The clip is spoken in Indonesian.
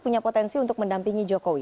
punya potensi untuk mendampingi jokowi